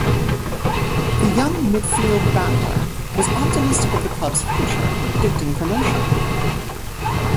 The young midfield battler was optimistic of the club's future, predicting promotion.